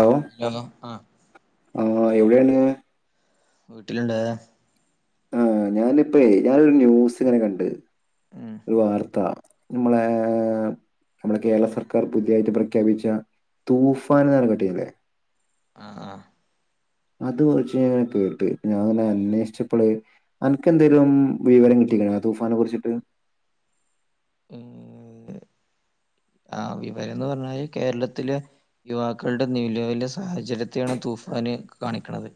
Hello [unintelligible] ആ ആ എവിടെണിയെ. വീട്ടിലുണ്ടായതാ. ആഹ് ഞാനിപ്പേ ഞാനൊരു ന്യൂസിങ്ങനെ കണ്ട് ഉം ഒരു വാർത്ത. ഞമ്മളേ ഏ നമ്മുടെ കേരള സർക്കാർ പുതിയായിട്ട് പ്രഖ്യാപിച്ച തൂഫാൻ എന്ന കേട്ടിട്ടില്ലേ. ആഹ്, ആഹ് അത് കുറച്ചേരം കേട്ട് ഞാൻങ്ങനെ അന്വേഷിച്ചപ്പളേ അനക്ക്ന്തെലും വിവരം കിട്ടിക്കണ ആ തൂഫാനെ കുറിച്ചിട്ട്? ഉം ആഹ് വിവരംന്ന് പറഞ്ഞാല് കേരളത്തില് യുവാക്കളുടെ നിലവിലെ സാഹചര്യത്തെയാണ് തൂഫാന് കാണിക്കണത്.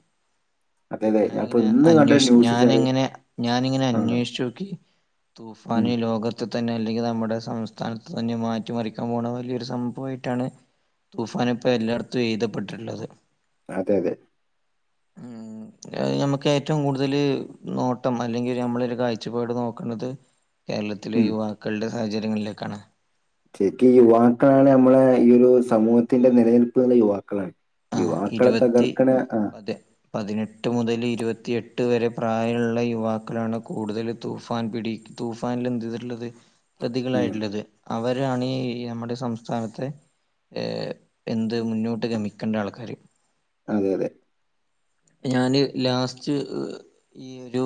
അതെ അതെ ഞാൻ ഇപ്പൊ ഞാനിങ്ങനെ ഇന്ന് കണ്ട ഒരു അന്വേഷി ന്യൂസ് വെച്ചാല് ഞാനിങ്ങനെ, ഞാനിങ്ങനെ ആ അന്വേഷിച്ചോക്കി. തൂഫാൻ ഉം, ഈ ലോക- ത് തന്നെ അല്ലെങ്കി നമ്മുടെ സംസ്ഥാനത്തെ തന്നെ മാറ്റിമറിക്കാൻ പോണ വലിയൊരു സംഭവായിട്ടാണ് തൂഫാനിപ്പോ എല്ലായിടത്തും എഴുതപ്പെട്ടിട്ടുള്ളത് അതെ അതെ ഉം [unintelligible] അത് ഞമ്മക്ക് ഏറ്റവും കൂടുതല് നോട്ടം അല്ലെങ്കിൽ നമ്മളൊരു കാഴ്ചപാട് നോക്കണത് കേരളത്തിലെ ഉം യുവാക്കളുടെ സാഹചര്യങ്ങളിലേക്കാണ് ശരിക്ക് യുവാക്കളാണ് നമ്മളെ ഈ ഒരു സമൂഹത്തിന്റെ നിലനിൽപ്പ് തന്നെ യുവാക്കളാണ് ആ യുവാക്കളെ ഇരുപത്തി തകർക്കണ ആ അതെ പതിനെട്ട് മുതൽ ഇരുപത്തിയെട്ട് വരെ പ്രായമുള്ള യുവാക്കളാണ് കൂടുതല് തൂഫാൻ പിടി- തൂഫാനിൽ എന്ത് ഇതുള്ളത് ഉം പ്രതികളായിട്ടുള്ളത്. അവരാണീ നമ്മുടെ സംസ്ഥാനത്തെ ഏ എന്ത് മുന്നോട്ട് ഗമി ക്കണ്ട ആൾക്കാര്. അതെ യതെ ഞാന് ലാസ്റ്റ് ഈ ഒരു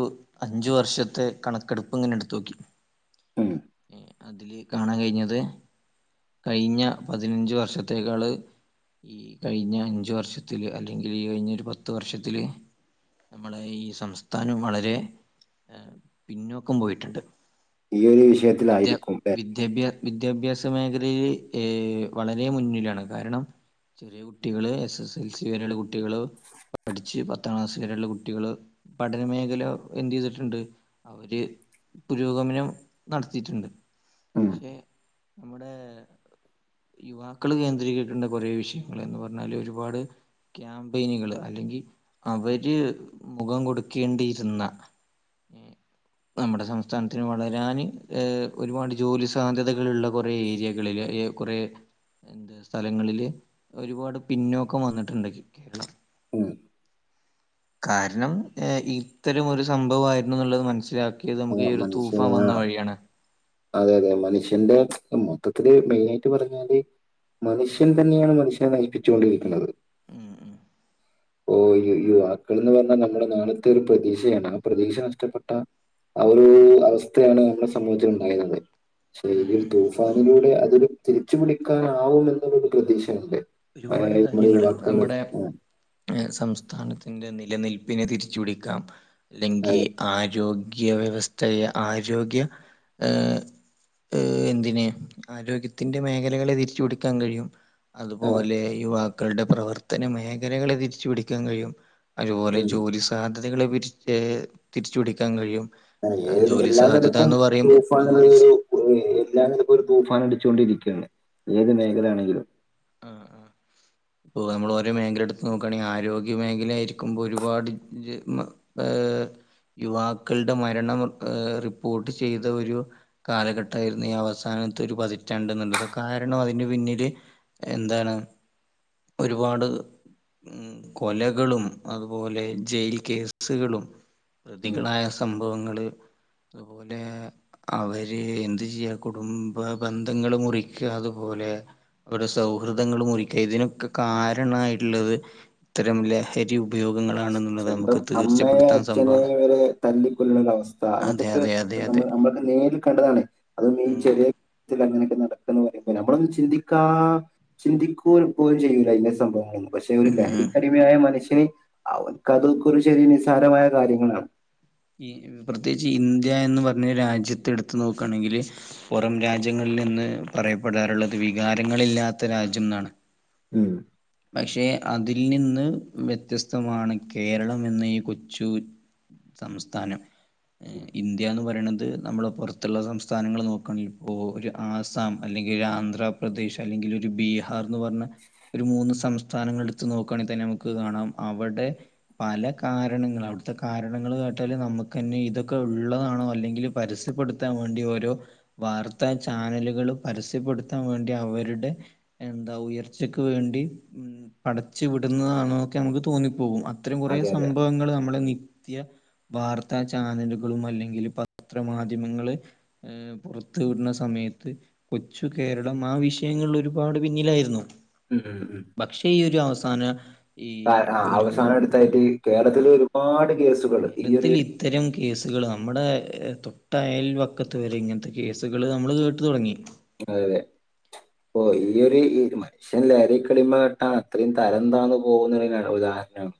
അഞ്ച് വർഷത്തെ കണക്കെടുപ്പ് ഇങ്ങനെ എടുത്ത് നോക്കി. ഉം അതില് കാണാൻ കഴിഞ്ഞത് കഴിഞ്ഞ പതിനഞ്ച് വർഷത്തേക്കാള് ഈ കഴിഞ്ഞ അഞ്ചു വർഷത്തില് അല്ലെങ്കില് യീ കഴിഞ്ഞ ഒരു പത്ത് പത്തു വർഷത്തില്. നമ്മളെയീ സംസ്ഥാനം വളരെ പിന്നോക്കം പോയിട്ടുണ്ട്. ഈ ഒരു വിദ്യ വിഷയത്തിലായിരിക്കും ലെ. വിദ്യാഭ്യ വിദ്യാഭ്യാസ മേഖലേല് ഏ വളരെ മുന്നിലാണ് കാരണം ചെറിയ കുട്ടികള് എസ് എസ് എൽ സി വരെയുള്ള കുട്ടികള് പഠിച്ച് പത്താം ക്ലാസ് വരെയുള്ള കുട്ടികള് പഠന മേഖല എന്ത് ചെയ്തിട്ടുണ്ട്? അവര് പുരോഗമനം നടത്തിയിട്ടുണ്ട്. ഉം. പക്ഷേ നമ്മുടെ യുവാക്കള് കേന്ദ്രീകരിക്കേണ്ട കുറേ വിഷയങ്ങള് എന്നു പറഞ്ഞാൽ ഒരുപാട് ക്യാമ്പയിനുകൾ അല്ലെങ്കി അവര് മുഖം കൊടുക്കേണ്ടിയിരുന്ന നമ്മുടെ സംസ്ഥാനത്തിന് വളരാന് ഏ ഒരുപാട് ജോലി സാധ്യതകളുള്ള കുറേ ഏരിയകളില് ഏ കുറേ എന്റെ സ്ഥലങ്ങളില് ഒരുപാട് പിന്നോക്കം വന്നിട്ടുണ്ടെങ്കി [inaudible] ഉം. കാരണം ഏഹ് ഇത്തരം ഒരു സംഭവയിരുന്നു എന്നുള്ളത് മനസ്സിലാക്കി ക്കിയത് ആ, നമുക്ക് ഈ ഒരു മനുഷ്യൻ തൂഫൻ ആ വന്ന വഴിയാണ്. അതെ അതെ മനുഷ്യന്റെ മൊത്തത്തില് മെയിൻ ആയിട്ട് പറഞ്ഞാല് മനുഷ്യൻ തന്നെയാണ് മനുഷ്യനെ നയിപ്പിച്ചുകൊണ്ടിരിക്കുന്നത് ഉം ഉം. ഓ യു യുവാക്കൾ എന്ന് പറഞ്ഞാ നമ്മുടെ നാളത്തെ ഒരു പ്രതീക്ഷയാണ് ആ പ്രതീക്ഷ നഷ്ടപ്പെട്ടാ ആ ഒരു അവസ്ഥയാണ് നമ്മളെ സമൂഹത്തിൽ ഉണ്ടായിരുന്നെ പക്ഷേ ഈ ഉം ഒരു ഉം തൂഫാൻ അതിലൂടെ അതിൽ തിരിച്ചു പിടിക്കാനാവും എന്നൊരു പ്രതീക്ഷയുണ്ട്. അയ് ഒരുപാട് ഏഹ് ഞമ്മളെ യുവാക്കൾ ആഹ് ഏഹ് സംസ്ഥാനത്തിൻ്റെ നിലനിൽപ്പിനെ തിരിച്ചു പിടിക്കാം അല്ലെങ്കി അതെ ആരോ ഗ്യ വ്യവസ്ഥയെ ആരോഗ്യ ഏ.. ഏഹ് എന്തിന് ആരോഗ്യത്തിൻ്റെ മേഖലകളെ തിരിച്ചു പിടിക്കാൻ കഴിയും ആ, ഓലെ യുവാക്കളുടെ പ്രവർത്തന മേഖലകളെ തിരിച്ചു പിടിക്കാൻ കഴിയും. അജോലെ ഉം. ജോലി സ് സാധ്യതകളെ പിരിച് ഏ തിരിച്ചു പിടിക്കാൻ കഴിയും ആഹ്‌ ഏത് ജോലി എല്ലാ സാധ്യത നെലക്കും എന്ന് പറയുമ്പോ തൂഫാൻ ജോലി സ് എന്നുള്ളതൊരു എല്ലാ നെലക്കും ഒരു തൂഫാൻ അടിച്ചുകൊണ്ടിരിക്കയാണ് ഏത് മേഖല ആണെങ്കിലും [inaudible] ഇപ്പൊ നമ്മൾ ഓരോ മേഖല എടുത്ത് നോക്കുകയാണെങ്കിൽ ആരോഗ്യ മേഖലായിയിരിക്കുമ്പോൾ ഒരുപാട് ഏ യുവാക്കളുടെ മരണം റിപ്പോർട്ട് ചെയ്ത ഒരു കാലഘട്ടമായിരുന്നു ഈ അവസാനത്തേ ഒരു പതിറ്റാണ്ട് എന്നുള്ളത് കാരണം അതിന് പിന്നില് എന്താണ് ഒരുപാട് ഉം കൊലകളും അതുപോലെ ജയിൽ കേസുകളും ഉം. പ്രതികളായ സംഭവങ്ങള് അതുപോലെ അവര് എന്ത് ചെയ്യാ കുടുംബ ബന്ധങ്ങള് മുറിക്ക അതുപോലെ ഇവിടെ സൗഹൃദങ്ങൾ മുറിക്കുക ഇതിനൊക്കെ കാരണമായിട്ടുള്ളത് ഇത്തരം ലഹരി ഉപയോഗങ്ങളാണെന്നുള്ളത് സ്വന്തം നമുക്ക് അമ്മയെ തീർച്ചപ്പെടുത്താൻ സംഭവമാണ് അച്ഛനെയുവരേ തല്ലിക്കൊല്ലന്ന ഒരു അവസ്ഥ അതെ സാഹനത്തൊക്കെ അതെ അതെ നമ്മ അതെ നമ്മൾ നേരിൽ കണ്ടതാണ് അതും ഈ ഉം ചെറിയ അങ്ങനെയൊക്കെ നടക്കന്ന് പറയുമ്പ നമ്മളൊന്ന് ചിന്തിക്ക ചിന്തിക്കുക പോയും ചെയ്യൂല അതിന്റെ സംഭവങ്ങളൊന്നും. പക്ഷെ ഒരു ഉം ഉം ലഹരിക്കടിമയായ മനുഷ്യന് അവർക്ക് അതൊക്ക ഒരു ചെറിയ നിസ്സാരമായ കാര്യങ്ങളാണ് ഈ പ്രത്യേകിച്ച് ഇന്ത്യ എന്ന് പറഞ്ഞ രാജ്യത്തെ എടുത്ത് നോക്കുകയാണെങ്കിൽ. പുറം രാജ്യങ്ങളിൽ നിന്ന് പറയപ്പെടാറുള്ളത് വികാരങ്ങളില്ലാത്ത രാജ്യം എന്നാണ് ഉം. പക്ഷേ അതിൽ നിന്ന് വ്യത്യസ്തമാണ് കേരളം എന്ന ഈ കൊച്ചു സംസ്ഥാനം ഇന്ത്യ എന്ന് പറയണത് നമ്മൾ പുറത്തുള്ള സംസ്ഥാനങ്ങൾ നോക്കുകയാണെങ്കിൽ ഇപ്പോൾ ഒരു ആസാം അല്ലെങ്കിൽ ആന്ധ്രാപ്രദേശ് അല്ലെങ്കിൽ ഒരു ബീഹാർ എന്ന് പറഞ്ഞ ഒരു മൂന്ന് സംസ്ഥാനങ്ങൾ എടുത്തു നോക്കുകയാണെിൽ തന്നെ നമുക്ക് കാണാം. അവിടെ പല കാരണങ്ങൾ അവിടുത്തെ കാരണങ്ങൾ കേട്ടാൽ നമുക്ക്ന്നെ ഇതൊക്കെ ഉള്ളതാണോ അല്ലെങ്കിൽ പരസ്യപ്പെടുത്താൻ വേണ്ടി ഓരോ വാർത്താ ചാനലുകളും പരസ്യപ്പെടുത്താൻ വേണ്ടി അവരുടെ എന്താ ഉയർച്ചക്ക് വേണ്ടി ഉ പടച്ച് വിടുന്നതാണോക്കെ നമുക്ക് തോന്നിപ്പോകും അത്രീം കുറേ അതെ അതെ സംഭവങ്ങൾ നമ്മളെ കയ വാർത്താ ചാനലുകളും അല്ലെങ്കിൽ പത്രമാധ്യമങ്ങള് ഏപുറത്തു വിടുന്ന സമയത്ത് കൊച്ചു കേരളം ആഹ് വിഷയങ്ങളിൽ ഒരുപാട് പിന്നിലായിരുന്നു ഉം ഉം ഉം പക്ഷെ ഈ ഒരു അവസാന ഈ ഒരു യിട്ട് ആ കേരളത്തിൽ ഒരുപാട് കേസ കേരളത്തിൽ ഇത്തരം കേസുകൾ നമ്മുടെ തൊട്ടയൽവക്കത്ത് വരെ ഇങ്ങനത്തെ കേസുകൾ നമ്മൾ കേട്ടു തുടങ്ങി അതെ അതെ അപ്പൊ ഈ ഒരു രുമാതി പക്ഷെ ലഹരി കടിമ പെട്ടാൽ അത്രയും തരംന്താന്ന് പോകുന്ന ഉദാഹരണമാണ്.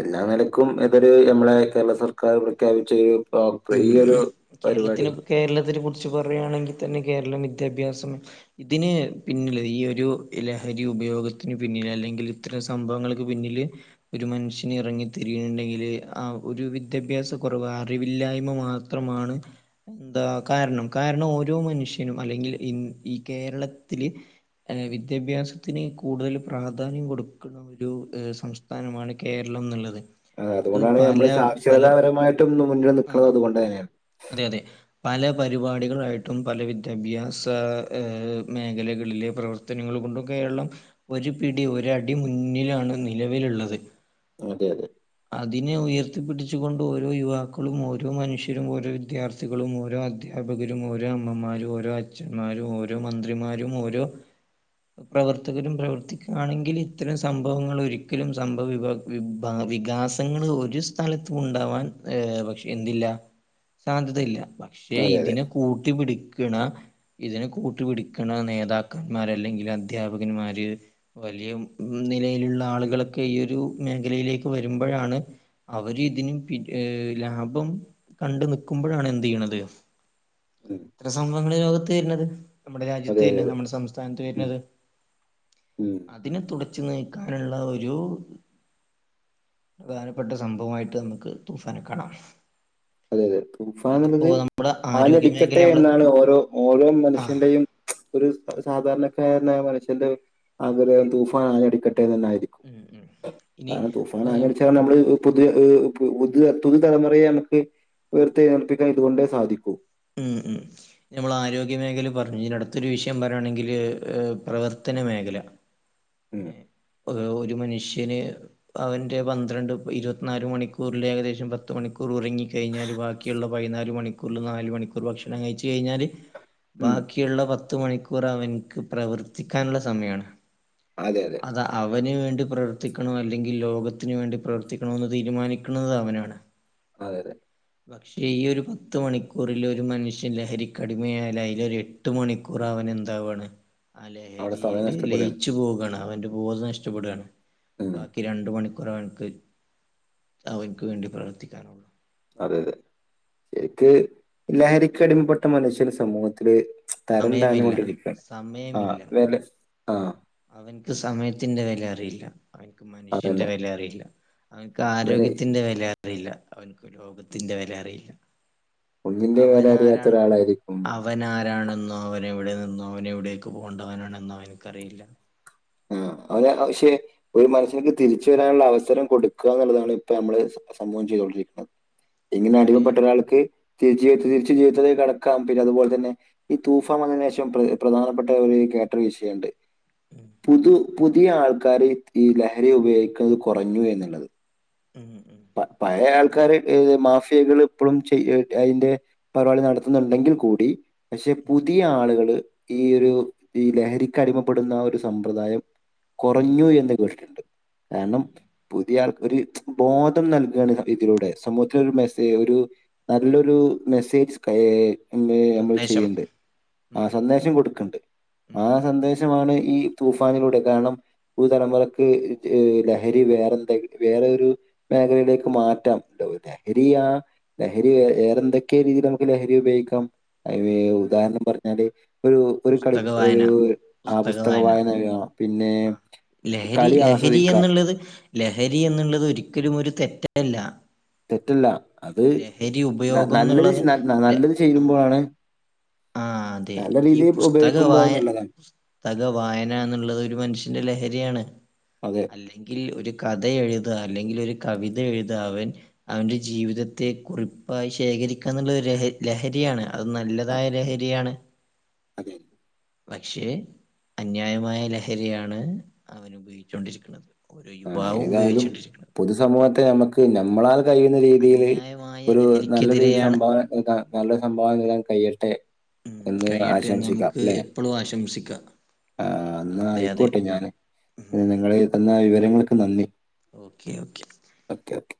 എല്ലാ നിലക്കും ഇതൊരു നമ്മളെ കേരള സർക്കാർ പ്രഖ്യാപിച്ച ഒരു [unintelligible] ഈയൊരു പരിപാടി കേരളത്തെ കുറിച്ച് പറയുകയാണെങ്കിൽ തന്നെ കേരളം വിദ്യാഭ്യാസം ഇതിന് പിന്നില് ഈ ഒരു ലഹരി ഉപയോഗത്തിന് പിന്നില് അല്ലെങ്കിൽ ഇത്തരം സംഭവങ്ങൾക്ക് പിന്നില് ഒരു മനുഷ്യന് ഇറങ്ങി തിരിണണ്ടെങ്കിൽ ആ ഒരു വിദ്യാഭ്യാസ കുറവ് അറിവ ഇല്ലായ്മ മാത്രമാണ് എന്താ കാരണം കാരണം ഓരോ മനുഷ്യനും അല്ലെങ്കിൽ ഈ കേരളത്തില് വിദ്യാഭ്യാസത്തിന് കൂടുതൽ പ്രാധാന്യം കൊടുക്കണം. ഒരു സംസ്ഥാനമാണ് കേരളം എന്നുള്ളത് ആ അത് അതുകൊണ്ടാണ് പല നമ്മള് പല സാക്ഷരതാപരമായിട്ടും മുന്നിൽ നിൽക്കുന്നത് ആഹ് അതുകൊണ്ട് തന്നെയാണ്. അതെ അതെ പല പരിപാടികളായിട്ടും പല വിദ്യാഭ്യാസ മേഖലകളിലെ പ്രവർ- പർത്തനങ്ങൾ കൊണ്ടും കേരളം ഒരു പിടി ഒരടി മുന്നിലാണ് നിലവിലുള്ളത് അതെ അതെ അതിനെ ഉയർത്തിപ്പിടിച്ചു കൊണ്ട് ഓരോ യുവാക്കളും ഓരോ മനുഷ്യരും ഓരോ വിദ്യാർത്ഥി വകളും ഓരോ അധ്യാപകരും, ഓരോ അമ്മമാരും, ഓരോ അച്ഛന്മാരും, ഓരോ മന്ത്രിമാരും, ഓരോ [inaudible] പ്രവർത്തകരും പ്രവർത്തിക്കണെങ്കിൽ ഇത്തരം സംഭവങ്ങൾ ഒരിക്കലും സംഭവ വിഭ വിഭാ വികാസങ്ങള ഒരു സ്ഥലത്തും ഉണ്ടാവാൻ പക്ഷെ എന്തില്ല സാധ്യതയില്ല ക്ഷെ അതെ അതെ ഇതിനെ കൂട്ടിപിടിക്കണ ഇതിനെ കൂട്ടുപിടിക്കണ നേതാക്കന്മാർ അല്ലെങ്കിൽ അധ്യാപകന്മാര് വലിയ നിലയിലുള്ള ആളുകളൊക്കെ ഈ ഒരു മേഖലയിലേക്ക് വരുമ്പഴാണ് അവരിതിന് പി ലാഭം കണ്ട് നിക്കുമ്പോഴാണ് എന്ത് ചെയ്യണത് ഉം. ഇത്ര സംഭവങ്ങള് ലോകത്ത് വരുന്നത് നമ്മുടെ രാജ്യത്ത് അതെ അതെ വരുന്നത് നമ്മുടെ സംസ്ഥാനത്ത് ഉം. വരുന്നത് ഉം. അ തിനെ തുടച്ചു നീക്കാനുള്ള ഒരു പ്രധാനപ്പെട്ട സംഭവമായിട്ട് നമുക്ക് തൂഫാനെ കാണാം അതെ അതെ തൂഫാൻ ഇനിയിപ്പോ എന്നുള്ളത് നമ്മുടെ ആരോഗ്യ ആഞ്ഞടിക്കട്ടെ മേഖല നമ്മള് എന്നാണ് ഓരോ ഓരോ ആഹ് മനുഷ്യന്റെയും ഒരു സാധാരണക്കാരായ മനുഷ്യന്റെ ആഗ്രഹം തൂഫാനഞ്ഞാടിക്കട്ടെന്നന്നെ ആയിരിക്കും ഉം ഉം ഇനി കാരണം ഏം, തൂഫാനാഞ്ഞടിച്ച നമ്മള് പു പുതുതലമുറയെ നമുക്ക് ഉയർത്തെഴുന്നേൽപ്പിക്കാൻ ഇതുകൊണ്ടേ സാധിക്കൂ ഉം ഉം നമ്മൾ ആരോഗ്യ മേഖല പറഞ്ഞു ഇനി അടുത്തൊരു വിഷയം പറയാണെങ്കിൽ പ്രവർത്തന മേഖല ഉം ഒരു മനുഷ്യന് അവന്റെ പന്ത്രണ്ട് ഇരുപത്തിനാല് മണിക്കൂറിൽ ഏകദേശം പത്ത് മണിക്കൂർ ഉറങ്ങിക്കഴിഞ്ഞാല് ബാക്കി ബാക്കിയുള്ള പതിനാല് മണിക്കൂറിൽ നാല് മണിക്കൂർ ഭക്ഷണം കഴിച്ച് കഴിഞ്ഞാൽ ഉം. ബാക്കിയുള്ള പത്തു മണിക്കൂർ അവനിക്ക് പ്രവർത്തിക്കാനുള്ള സമയമാണ് അതെ അതെ അത് അവന് വേണ്ടി പ്രവർത്തിക്കണോ അല്ലെങ്കിൽ ലോകത്തിന് വേണ്ടി പ്രവർത്തിക്കണോ എന്ന് തീരുമാനിക്കുന്നത് അവനാണ് അതെതെ പക്ഷെ ഈ ഒരു പത്ത് മണിക്കൂറിൽ ഒരു മനുഷ്യൻ ലഹരിക്കടിമയായാൽ അതിലൊരു എട്ട് മണി കുറവൻ എന്താവാണ് ആ അവിടെ ലഹരിൽ സമയം നഷ്ടപ്പെടാണ്. ലയിച്ച് പോവുകയാണ് അവൻ്റെ ബോദം നഷ്ടപ്പെടുകയാണ് ഉം. ബാക്കി രണ്ട് മണി ഒരാൾക്ക് അവർക്ക് വേണ്ടി പ്രവർത്തിക്കാനുള്ളൂ അതെ അതെ ശരിക്ക് ലഹരിക്ക് അടിമപ്പെട്ട മനുഷ്യന് സമൂഹത്തില് തരം താഴ്ന്നു സമയമില്ല കൊണ്ടിരിക്കണ് ആ വില ആഹ് അവന്ക്ക് സമയത്തിന്റെ വില അറിയില്ല അവന്ക്ക് മനുഷ്യന്റെ അതന്നെ. വില അറിയില്ല അവന്ക്ക് വെല ആരോഗ്യത്തിന്റെ വില റിയില്ല അവന്ക്ക് ലോകത്തിന്റെ വില അറിയില്ല. ഒന്നിന്റെ വില അറിയാത്ത ഒരാളായിരിക്കും അവൻ ആരാണെന്നോ അവൻ എവിടെ നിന്നോ അവൻ എവിടെയേക്ക് പോണ്ടവനാണെന്നോ അവന്ക്കറിയില്ല ആഹ് അവന് പക്ഷെ ഒരു മനസ്സിലേക്ക് തിരിച്ച വരാനുള്ള അവസരം കൊടുക്കുക എന്നുള്ളതാണ് ഇപ്പൊ നമ്മള് സമൂഹം ചെയ്തുകൊണ്ടിരിക്കുന്നത്. ഇങ്ങനെ അവന് അടിമപ്പെട്ട ഒരാൾക്ക് തി തിരിച്ച ജീവിത്തിലേക്ക് കടക്കാം പിന്നെ അതുപോലെ തന്നെ ഈ തൂഫാൻ വന്നതിന്ശേഷം പ്ര പ്രധാനപ്പെട്ട ഒരു കേട്ടറി വിഷയണ്ട് [inaudible] പുതു പുതിയ ആൾക്കാര് ഈ ലഹരി ഉപയോഗിക്കുന്നത് കുറഞ്ഞു എന്നുള്ളത്. ഉം ഉം പഴയ ആൾക്കാര് ഏ മാഫിയകൾ ഇപ്പോഴും ചെയ അയിന്റെ പരിപാടി നടത്തുന്നുണ്ടെങ്കിൽ കൂടി പക്ഷെ പുതിയ ആളുകള് ഈ ഒരു ഈ ലഹരിക്കടിമപ്പെടുന്ന ആ ഒരു സമ്പ്രദായം ഉം കൊറഞ്ഞു ഉം എന്ന് ഉം കേട്ടിട്ടുണ്ട് ഉം കാരണം പുതിയാൾ ഒരു ബോ ധം നൽക്ആണ് ഇതിലൂടെ. സമൂഹത്തിന് ഒരു മെസേ ഒരു നല്ലൊരു മെസ്സേജ് കഏ എന്തേ നമ്മൾ സന്ദേശം ചെയ്യ്ണ്ട് ഉം ആഹ് ഉം സന്ദേശം കൊടുക്ക്‌ണ്ട് ആ ഉം സന്ദേ ചമാണ് ഈ തൂഫാനിലൂടെ കാരണം. പുതുതലമുറക്ക് ലഹരി വേറെന്തങി വേറൊരു മേഖലയിലേക്ക് മാറ്റാം ഉണ്ടോ ലഹരിയാ ലഹരി വേറെന്തൊക്കെ രീതില് നമുക്ക് ലഹരി ഉപയോഗിക്കാം. അയിന് ഉം ഉദാഹരണം പറഞ്ഞാല് ഒരു ഒരു കളി പുസ്തക ഒരു വായന ആ പുസ്തക വായനയാകാം പിന്നെ ആഹ് ലഹരി കളി ആസ്വദിക്ക ലഹരിയെന്നുള്ളത് ലഹരിയെന്നുള്ളത് ഒരിക്കലുമൊരു തെറ്റല്ല തെറ്റല്ല. അത് ലഹരി ന ഉപയോഗം നല്ലത് എന്നുള്ളത് ന ല നല്ലത് ആഹ് ചേയ്യുമ്പോഴാണ്. ആഹ് അതെ ഈ അത് പുസ്തകവായ നല്ലതാണ് തക വായന എന്നുള്ളതൊരു മനുഷ്യന്റെ ലഹരിയാണ്. അതെ അല്ലെങ്കിൽ ഒരു കഥയെഴുതാ അല്ലെങ്കിൽ ഒരു കവിത എഴുതാ അവൻ അവന്റെ ജീവിതത്തെ കുറിപ്പായി ശേഖരിക്കാന്നുള്ളൊരു രഹരി ലഹരിയാണ് അത് നല്ല തായ രഹരിയാണ് അതെ പക്ഷേ അന്യായമായ ലഹരിയാണ് അവനുപയോഗിച്ച്കൊണ്ടിരിക്കുന്നത് ഓരോ യുബാവും ഉപയോഗിച്ചോണ്ടിരിക്കണ്. പൊതുസമൂഹത്തിന് നമ്മക്ക് നമ്മളാൽ കഴിയുന്ന രീതില് അന്യായമായ നല്ലൊരു ലഹരിക്കെതിരെയാണ് സംഭാവന [unintelligible] നല്ല സംഭാവന തരാൻ കയ്യട്ടെ? കയ്യട്ടെന്ന്. നമുക്ക് എപ്പളും ആശംസിക്കാം. ആ എന്നാ അതെ അതെ ആയിക്കോട്ടെ ഞാന് ന്ന് നിങ്ങള് തന്ന വിവരങ്ങൾക്ക് നന്ദി. Okay okay okay, okay